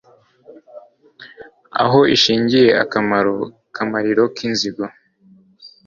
Aho ishingiye akamaro, Kamariro k'inzigo